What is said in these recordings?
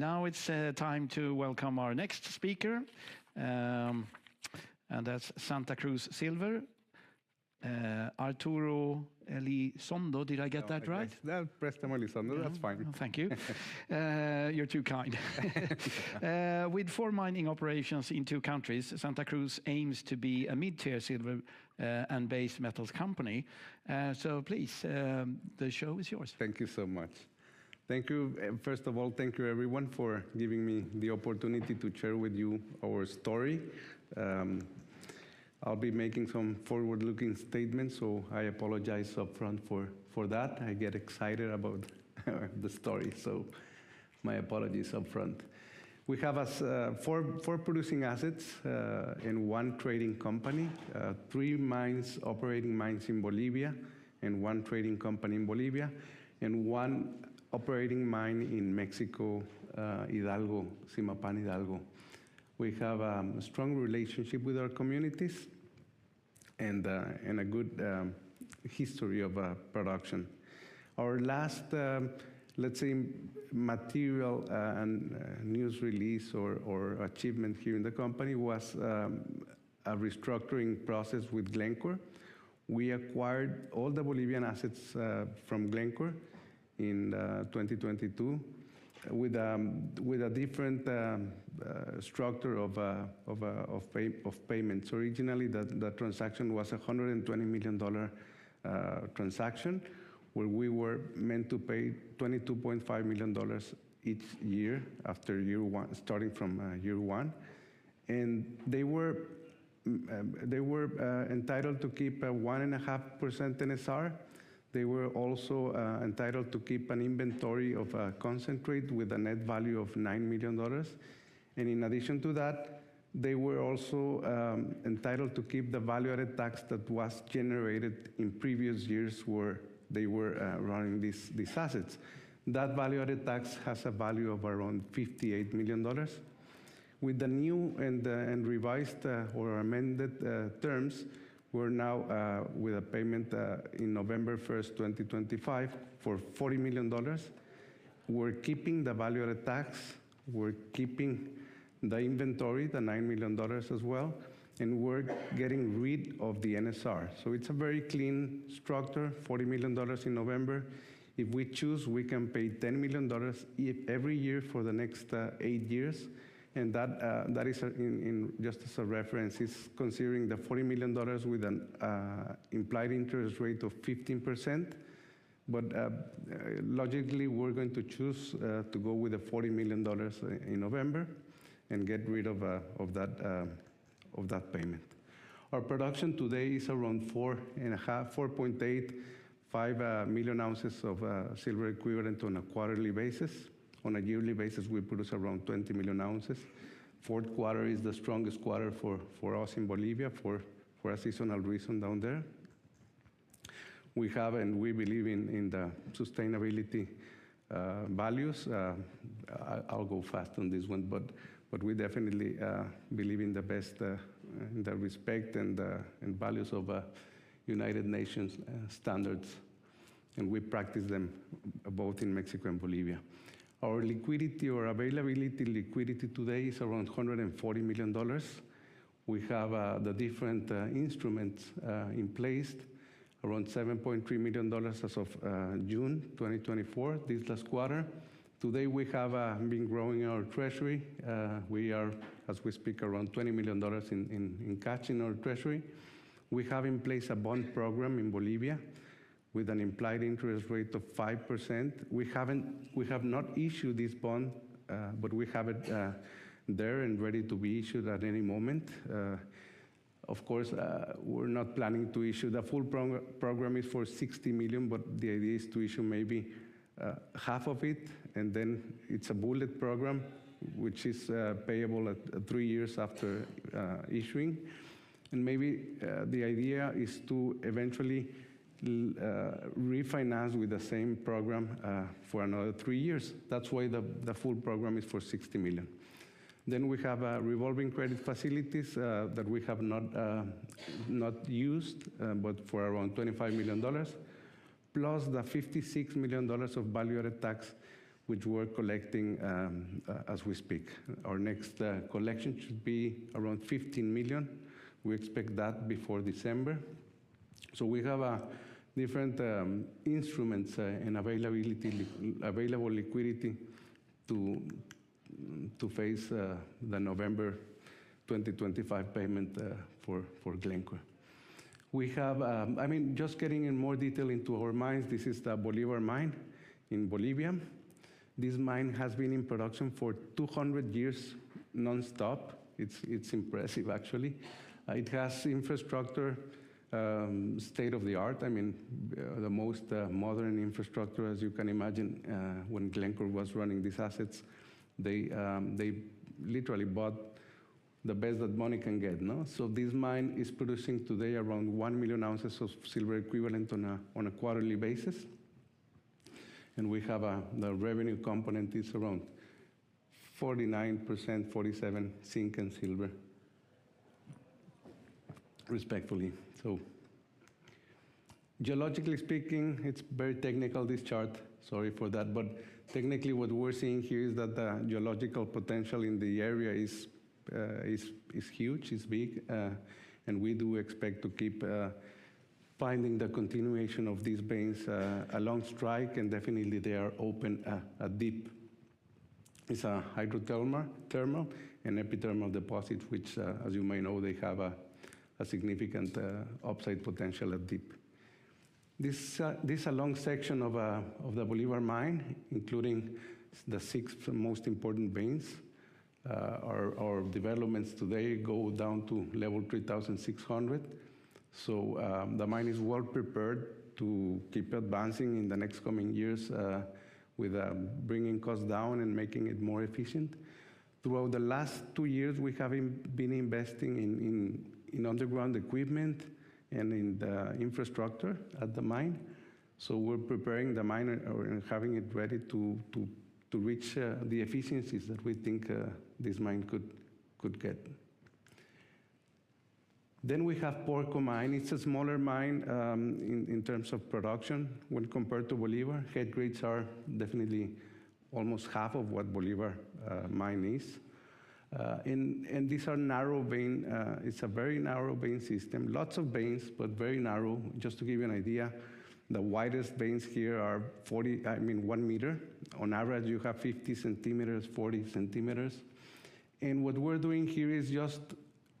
Now it's time to welcome our next speaker, and that's Santacruz Silver. Arturo Elizondo, did I get that right? Yes, that's Préstamo Elizondo, that's fine. Thank you. You're too kind. With four mining operations in two countries, Santacruz aims to be a mid-tier silver and base metals company. So please, the show is yours. Thank you so much. Thank you. First of all, thank you everyone for giving me the opportunity to share with you our story. I'll be making some forward-looking statements, so I apologize upfront for that. I get excited about the story, so my apologies upfront. We have four producing assets and one trading company, three mines, operating mines in Bolivia and one trading company in Bolivia, and one operating mine in Mexico, Hidalgo, Zimapán, Hidalgo. We have a strong relationship with our communities and a good history of production. Our last, let's say, material and news release or achievement here in the company was a restructuring process with Glencore. We acquired all the Bolivian assets from Glencore in 2022 with a different structure of payments. Originally, the transaction was a $120 million transaction where we were meant to pay $22.5 million each year after year one, starting from year one. They were entitled to keep a 1.5% NSR. They were also entitled to keep an inventory of concentrate with a net value of $9 million. In addition to that, they were also entitled to keep the value-added tax that was generated in previous years where they were running these assets. That value-added tax has a value of around $58 million. With the new and revised or amended terms, we're now with a payment in November 1st, 2025, for $40 million. We're keeping the value-added tax, we're keeping the inventory, the $9 million as well, and we're getting rid of the NSR. It's a very clean structure, $40 million in November. If we choose, we can pay $10 million every year for the next eight years. That is just as a reference, it's considering the $40 million with an implied interest rate of 15%. Logically, we're going to choose to go with the $40 million in November and get rid of that payment. Our production today is around 4.85 Moz of silver equivalent on a quarterly basis. On a yearly basis, we produce around 20 Moz. Fourth quarter is the strongest quarter for us in Bolivia for a seasonal reason down there. We have and we believe in the sustainability values. I'll go fast on this one, but we definitely believe in the best in the respect and values of United Nations standards. We practice them both in Mexico and Bolivia. Our liquidity or availability liquidity today is around $140 million. We have the different instruments in place, around $7.3 million as of June 2024, this last quarter. Today, we have been growing our treasury. We are, as we speak, around $20 million in cash in our treasury. We have in place a bond program in Bolivia with an implied interest rate of 5%. We have not issued this bond, but we have it there and ready to be issued at any moment. Of course, we're not planning to issue. The full program is for $60 million, but the idea is to issue maybe $30 million. And then it's a bullet program, which is payable three years after issuing. And maybe the idea is to eventually refinance with the same program for another three years. That's why the full program is for $60 million. Then we have revolving credit facilities that we have not used, but for around $25 million, plus the $56 million of value-added tax which we're collecting as we speak. Our next collection should be around $15 million. We expect that before December, so we have different instruments and available liquidity to face the November 2025 payment for Glencore. We have, I mean, just getting in more detail into our mines; this is the Bolívar Mine in Bolivia. This mine has been in production for 200 years nonstop. It's impressive, actually. It has infrastructure state of the art. I mean, the most modern infrastructure, as you can imagine, when Glencore was running these assets; they literally bought the best that money can get, so this mine is producing today around 1 Moz of silver equivalent on a quarterly basis, and we have the revenue component is around 49%, 47% zinc and silver, respectively, so geologically speaking, it's very technical, this chart. Sorry for that. Technically, what we're seeing here is that the geological potential in the area is huge, is big. We do expect to keep finding the continuation of these veins along strike. Definitely, they are open at depth. It's a hydrothermal and epithermal deposit, which, as you may know, they have a significant upside potential at depth. This is a long section of the Bolívar Mine, including the six most important veins. Our developments today go down to level 3,600. The mine is well prepared to keep advancing in the next coming years with bringing costs down and making it more efficient. Throughout the last two years, we have been investing in underground equipment and in the infrastructure at the mine. We're preparing the mine or having it ready to reach the efficiencies that we think this mine could get. We have Porco Mine. It's a smaller mine in terms of production when compared to Bolívar. Head grades are definitely almost half of what Bolívar Mine is. These are narrow veins. It's a very narrow vein system. Lots of veins, but very narrow. Just to give you an idea, the widest veins here are 40, I mean, one meter. On average, you have 50 centimeters, 40 centimeters. What we're doing here is just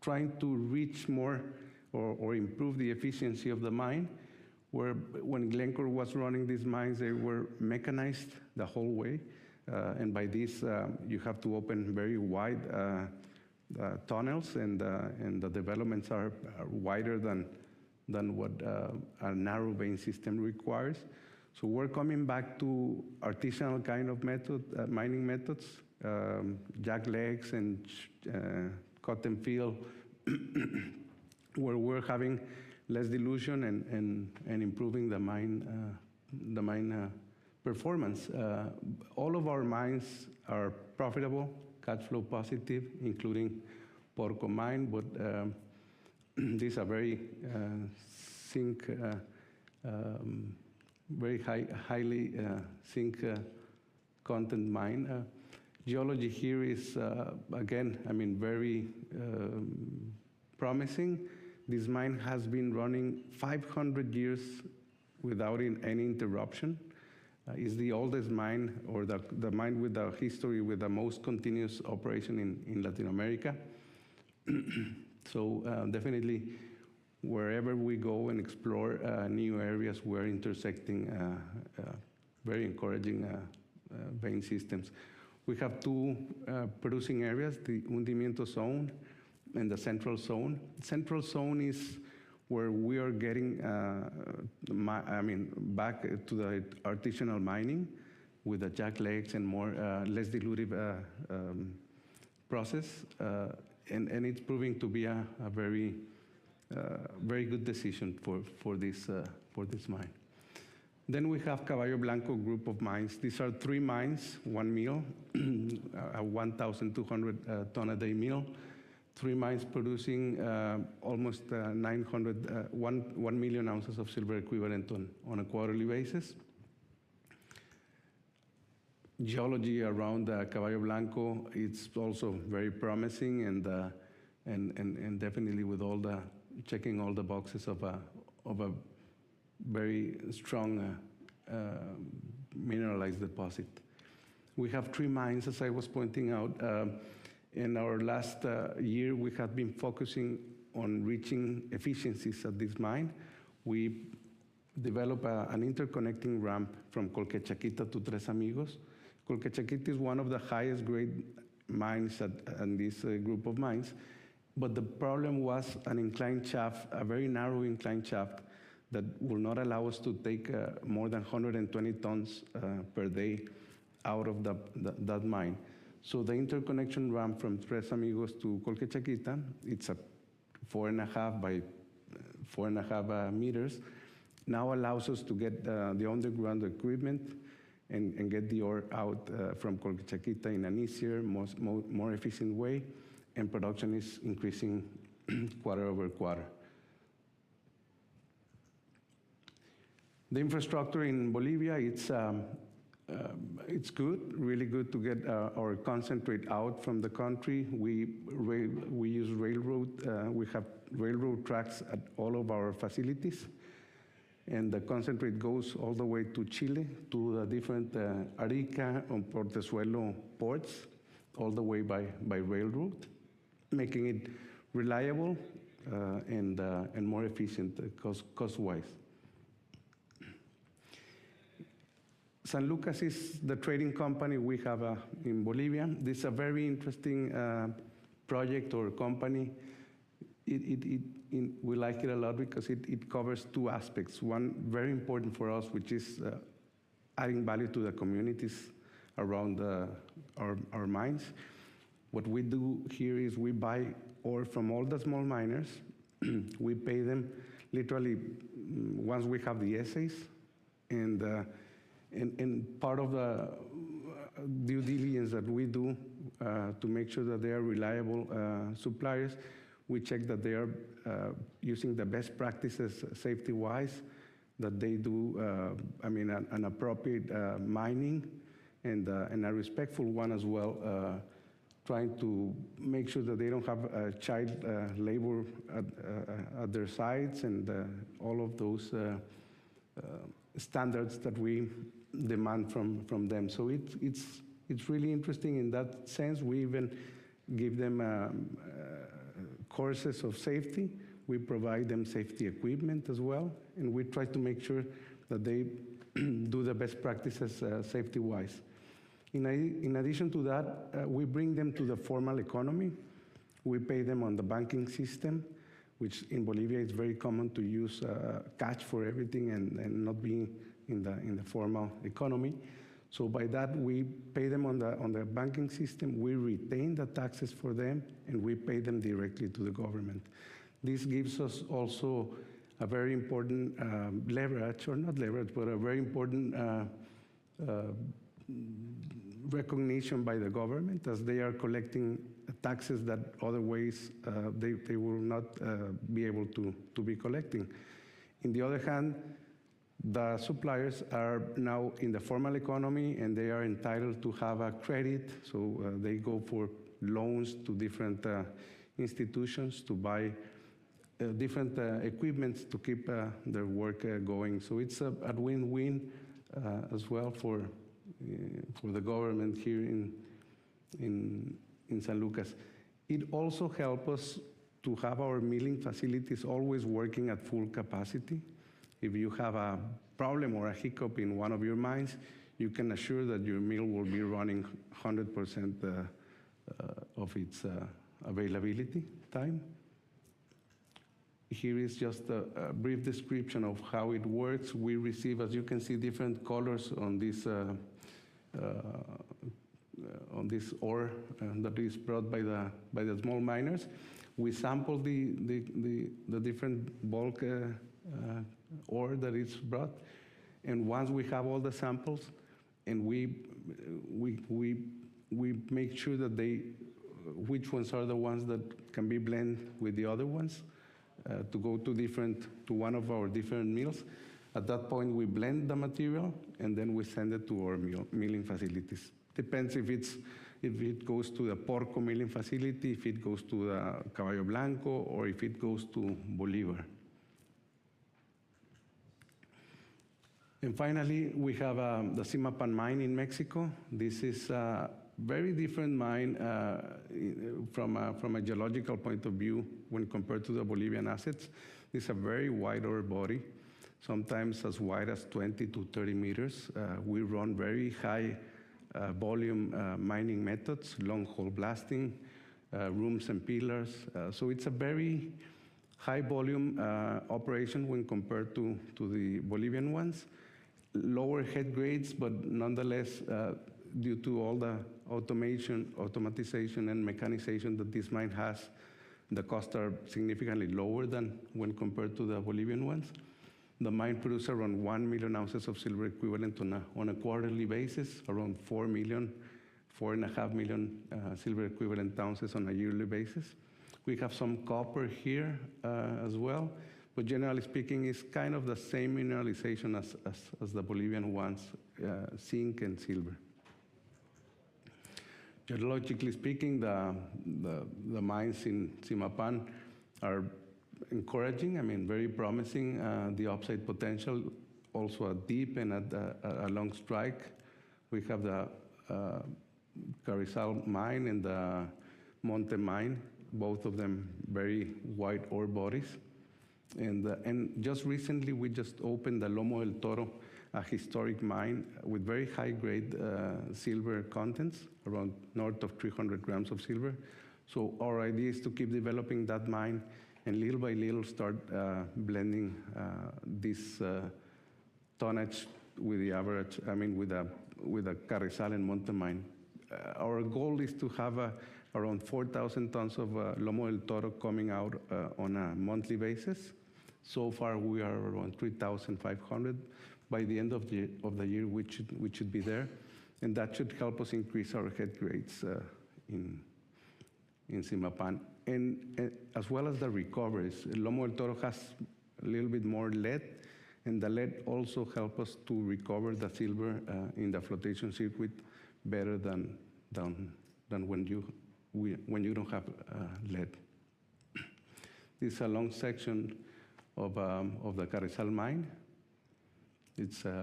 trying to reach more or improve the efficiency of the mine. When Glencore was running these mines, they were mechanized the whole way. By this, you have to open very wide tunnels, and the developments are wider than what a narrow vein system requires. We're coming back to artisanal kind of mining methods, jacklegs and cut-and-fill, where we're having less dilution and improving the mine performance. All of our mines are profitable, cash flow positive, including Porco Mine, but these are very highly zinc content mines. Geology here is, again, I mean, very promising. This mine has been running 500 years without any interruption. It's the oldest mine or the mine with the history with the most continuous operation in Latin America, so definitely, wherever we go and explore new areas, we're intersecting very encouraging vein systems. We have two producing areas, the Hundimiento Zone and the Central Zone. Central Zone is where we are getting, I mean, back to the artisanal mining with the jacklegs and more or less diluted process, and it's proving to be a very good decision for this mine, then we have Caballo Blanco group of mines. These are three mines, one mill, a 1,200-ton-a-day mill, three mines producing almost 1 Moz of silver equivalent on a quarterly basis. Geology around Caballo Blanco, it's also very promising and definitely with checking all the boxes of a very strong mineralized deposit. We have three mines, as I was pointing out. In our last year, we have been focusing on reaching efficiencies at this mine. We developed an interconnecting ramp from Colquechaquita to Tres Amigos. Colquechaquita is one of the highest grade mines in this group of mines. The problem was an inclined shaft, a very narrow inclined shaft that will not allow us to take more than 120 tons per day out of that mine. The interconnection ramp from Tres Amigos to Colquechaquita, it's a 4.5 by 4.5 meters, now allows us to get the underground equipment and get the ore out from Colquechaquita in an easier, more efficient way. Production is increasing quarter-over-quarter. The infrastructure in Bolivia, it's good, really good to get our concentrate out from the country. We use railroad. We have railroad tracks at all of our facilities, and the concentrate goes all the way to Chile, to the different Arica and Portezuelo ports, all the way by railroad, making it reliable and more efficient cost-wise. San Lucas is the trading company we have in Bolivia. This is a very interesting project or company. We like it a lot because it covers two aspects, one very important for us, which is adding value to the communities around our mines. What we do here is we buy ore from all the small miners. We pay them literally once we have the assays. Part of the due diligence that we do to make sure that they are reliable suppliers, we check that they are using the best practices safety-wise, that they do, I mean, an appropriate mining and a respectful one as well, trying to make sure that they don't have child labor at their sides and all of those standards that we demand from them. It's really interesting in that sense. We even give them courses of safety. We provide them safety equipment as well. We try to make sure that they do the best practices safety-wise. In addition to that, we bring them to the formal economy. We pay them on the banking system, which in Bolivia is very common to use cash for everything and not being in the formal economy. By that, we pay them on the banking system. We retain the taxes for them, and we pay them directly to the government. This gives us also a very important leverage, or not leverage, but a very important recognition by the government as they are collecting taxes that otherwise they will not be able to be collecting. In the other hand, the suppliers are now in the formal economy, and they are entitled to have a credit. So they go for loans to different institutions to buy different equipment to keep their work going. So it's a win-win as well for the government here in San Lucas. It also helps us to have our milling facilities always working at full capacity. If you have a problem or a hiccup in one of your mines, you can assure that your mill will be running 100% of its availability time. Here is just a brief description of how it works. We receive, as you can see, different colors on this ore that is brought by the small miners. We sample the different bulk ore that is brought. And once we have all the samples, and we make sure which ones are the ones that can be blended with the other ones to go to one of our different mills. At that point, we blend the material, and then we send it to our milling facilities. Depends if it goes to the Porco milling facility, if it goes to Caballo Blanco, or if it goes to Bolívar. And finally, we have the Zimapán Mine in Mexico. This is a very different mine from a geological point of view when compared to the Bolivian assets. It's a very wide ore body, sometimes as wide as 20-30 meters. We run very high volume mining methods, long-hole blasting, room and pillar. It’s a very high volume operation when compared to the Bolivian ones. Lower head grades, but nonetheless, due to all the automation and mechanization that this mine has, the costs are significantly lower than when compared to the Bolivian ones. The mine produces around one Moz of silver equivalent on a quarterly basis, around four million, 4.5 million silver equivalent ounces on a yearly basis. We have some copper here as well. But generally speaking, it’s kind of the same mineralization as the Bolivian ones, zinc and silver. Geologically speaking, the mines in Zimapán are encouraging, I mean, very promising. The upside potential also at deep and at a long strike. We have the Carrizal Mine and the Monte Mine, both of them very wide ore bodies. Just recently, we just opened the Lomo del Toro, a historic mine with very high-grade silver contents, around north of 300 grams of silver. Our idea is to keep developing that mine and little by little start blending this tonnage with the average, I mean, with the Carrizal and Monte mine. Our goal is to have around 4,000 tons of Lomo del Toro coming out on a monthly basis. So far, we are around 3,500. By the end of the year, we should be there. That should help us increase our head grades in Zimapán. As well as the recoveries, Lomo del Toro has a little bit more lead. The lead also helps us to recover the silver in the flotation circuit better than when you don't have lead. This is a long section of the Carrizal Mine.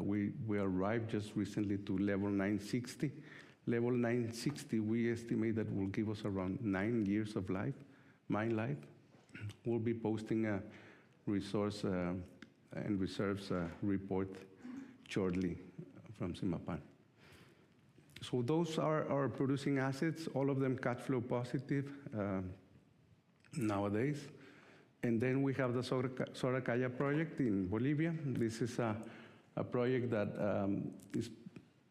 We arrived just recently to level 960. Level 960, we estimate that will give us around nine years of mine life. We'll be posting a resource and reserves report shortly from Zimapán. So those are our producing assets, all of them cash flow positive nowadays. And then we have the Soracaya project in Bolivia. This is a project that is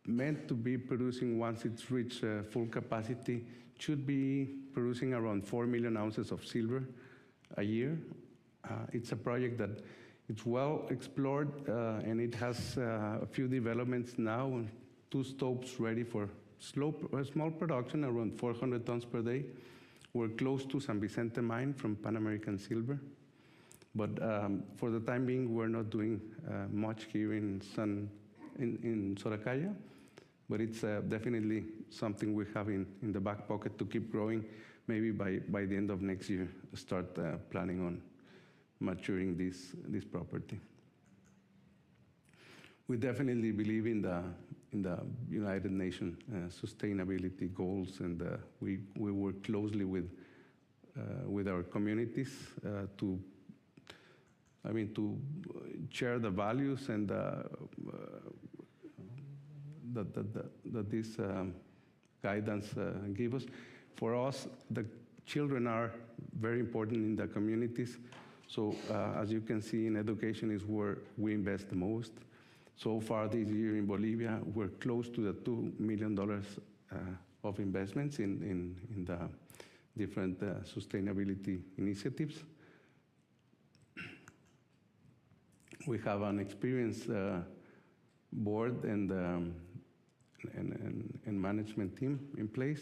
meant to be producing once it's reached full capacity. It should be producing around 4 Moz of silver a year. It's a project that is well explored, and it has a few developments now, two stopes ready for small production, around 400 tons per day. We're close to San Vicente Mine from Pan American Silver. But for the time being, we're not doing much here in Soracaya. But it's definitely something we have in the back pocket to keep growing. Maybe by the end of next year, start planning on maturing this property. We definitely believe in the United Nations sustainability goals, and we work closely with our communities to, I mean, to share the values that this guidance gives us. For us, the children are very important in the communities. So as you can see, in education is where we invest the most. So far this year in Bolivia, we're close to the $2 million of investments in the different sustainability initiatives. We have an experienced board and management team in place.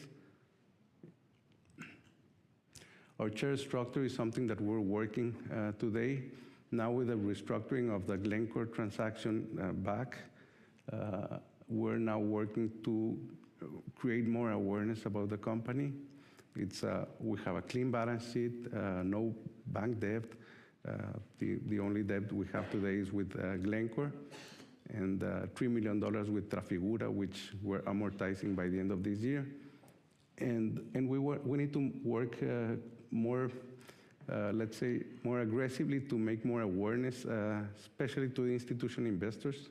Our chair structure is something that we're working today. Now with the restructuring of the Glencore transaction back, we're now working to create more awareness about the company. We have a clean balance sheet, no bank debt. The only debt we have today is with Glencore and $3 million with Trafigura, which we're amortizing by the end of this year. And we need to work more, let's say, more aggressively to make more awareness, especially to institutional investors.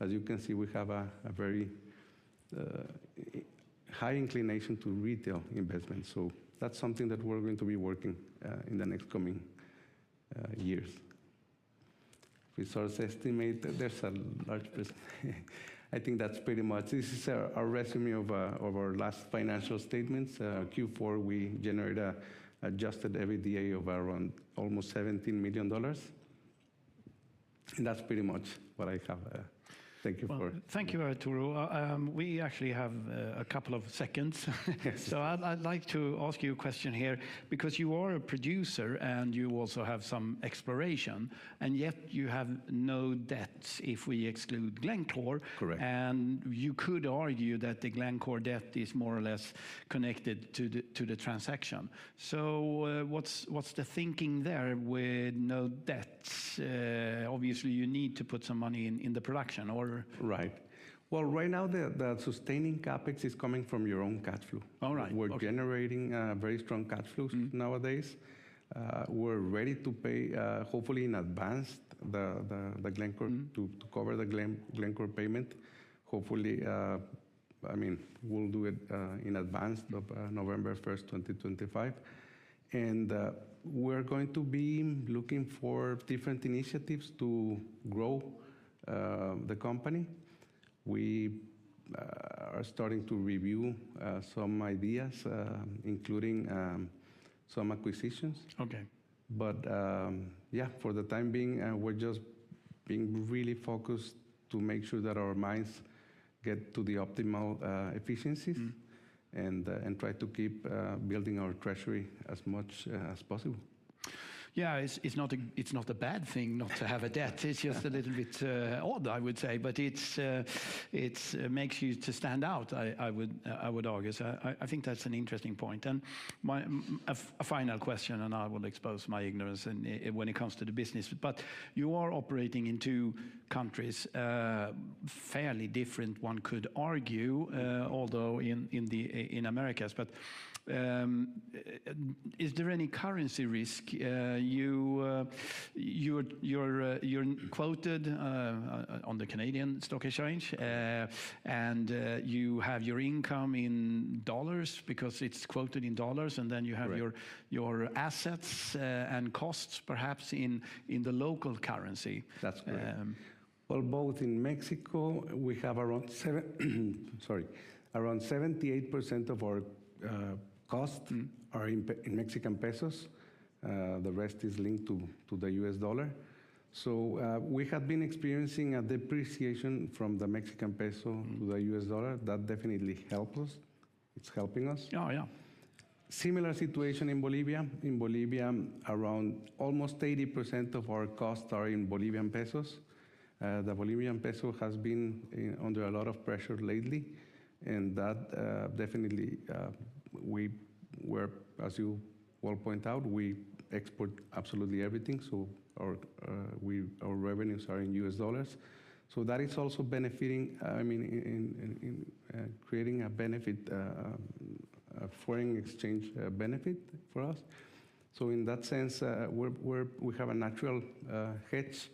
As you can see, we have a very high inclination to retail investments. So that's something that we're going to be working in the next coming years. Resource estimate, there's a large portion. I think that's pretty much this is our resume of our last financial statements. Q4, we generated an adjusted EBITDA of around almost $17 million. And that's pretty much what I have. Thank you. Thank you, Arturo. We actually have a couple of seconds. So I'd like to ask you a question here because you are a producer and you also have some exploration, and yet you have no debts if we exclude Glencore. Correct. And you could argue that the Glencore debt is more or less connected to the transaction. What's the thinking there with no debts? Obviously, you need to put some money in the production, or? Right. Well, right now, the sustaining CapEx is coming from your own cash flow. All right. We're generating very strong cash flows nowadays. We're ready to pay, hopefully in advance, the Glencore to cover the Glencore payment. Hopefully, I mean, we'll do it in advance of November 1st, 2025. And we're going to be looking for different initiatives to grow the company. We are starting to review some ideas, including some acquisitions. Okay. But yeah, for the time being, we're just being really focused to make sure that our mines get to the optimal efficiencies and try to keep building our treasury as much as possible. Yeah, it's not a bad thing not to have a debt. It's just a little bit odd, I would say, but it makes you stand out, I would argue, so I think that's an interesting point, and a final question, and I will expose my ignorance when it comes to the business, but you are operating in two countries, fairly different, one could argue, although in the Americas, but is there any currency risk? You're quoted on the Canadian Stock Exchange, and you have your income in dollars because it's quoted in dollars, and then you have your assets and costs, perhaps, in the local currency. That's correct. Well, both in Mexico, we have around 78% of our costs are in Mexican pesos. The rest is linked to the US dollar, so we have been experiencing a depreciation from the Mexican peso to the US dollar. That definitely helps us. It's helping us. Oh, yeah. Similar situation in Bolivia. In Bolivia, around almost 80% of our costs are in Bolivian pesos. The Bolivian peso has been under a lot of pressure lately, and that definitely, as you well point out, we export absolutely everything, so our revenues are in U.S. dollars. So that is also benefiting, I mean, in creating a benefit, a foreign exchange benefit for us. So in that sense, we have a natural hedge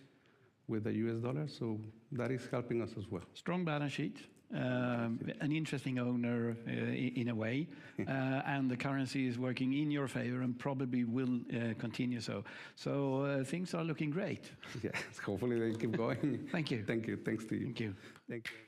with the U.S. dollar. So that is helping us as well. Strong balance sheet. An interesting owner in a way. And the currency is working in your favor and probably will continue so. So things are looking great. Yes. Hopefully, they keep going. Thank you. Thank you. Thanks to you. Thank you.